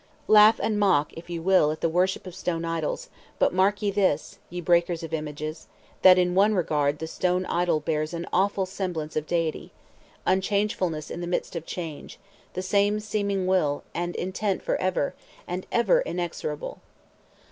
Laugh and mock if you will at the worship of stone idols, but mark ye this, ye breakers of images, that in one regard the stone idol bears awful semblance of Deity—unchangefulness in the midst of change; the same seeming will, and intent for ever, and ever inexorable!